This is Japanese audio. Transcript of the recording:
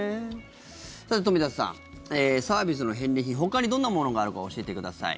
さて、飛田さんサービスの返礼品ほかにどんなものがあるか教えてください。